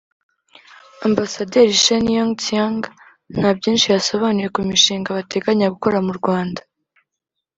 Ambasaderi Shen Yong-Xiang nta byinshi yasobanuye ku mishinga bateganya gukora mu Rwanda